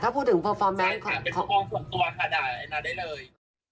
ใช่ค่ะเป็นทุกครองส่วนตัวค่ะได้เลย